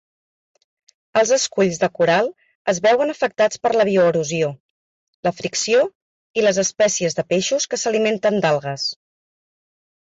Els esculls de coral es veuen afectats per la bioerosió, la fricció i les espècies de peixos que s"alimenten l"algues.